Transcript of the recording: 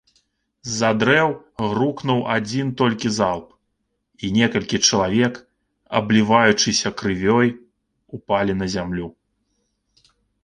З-за дрэў грукнуў адзін толькі залп, і некалькі чалавек, абліваючыся крывёй, упалі на зямлю.